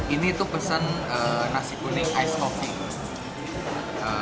ini tuh pesan nasi kuning ice coffee